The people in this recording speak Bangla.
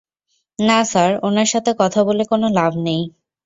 না, স্যার, উনার সাথে কথা বলে কোনো লাভ নেই।